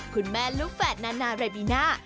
คุณแม่ลูกแฝดนานาเรบิน่า